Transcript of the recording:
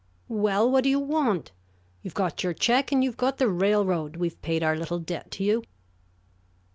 "Well, what do you want? You've got your check, and you've got the railroad. We've paid our little debt to you."